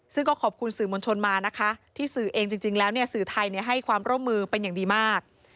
ซึ่งก็ขอบคุณสื่อมวลชนมานะคะที่สื่อเองจริงแล้วสื่อไทยให้ความร่วมมือเป็นอย่างดีมาก